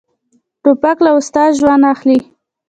توپک له استاد ژوند اخلي.